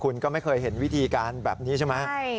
คุณก็ไม่เคยเห็นวิธีการแบบนี้ใช่ไหม